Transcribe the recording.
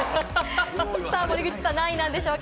森口さんは何位なんでしょうか？